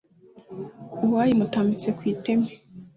Uwayo imutambitse ku iteme